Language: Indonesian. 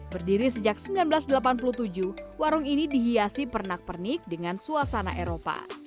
berdiri sejak seribu sembilan ratus delapan puluh tujuh warung ini dihiasi pernak pernik dengan suasana eropa